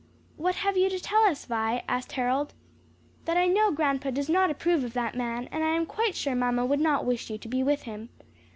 "What have you to tell us, Vi?" asked Harold. "That I know grandpa does not approve of that man, and I am quite sure mamma would not wish you to be with him.